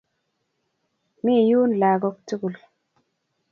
Mi yun lagok tugul .